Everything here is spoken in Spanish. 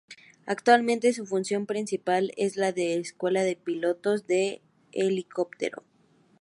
Actualmente su función principal es la de escuela de pilotos de helicóptero.